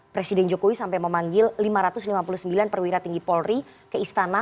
presiden jokowi sampai memanggil lima ratus lima puluh sembilan perwira tinggi polri ke istana